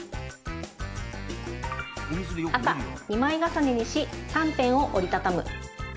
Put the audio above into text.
赤・２枚重ねにし３辺を折り畳む。